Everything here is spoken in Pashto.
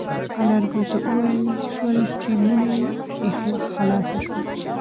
انارګل ته وویل شول چې مېنه یې خلاصه شوه.